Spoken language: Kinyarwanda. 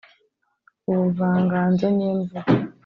ubuvanganzo nyemvugo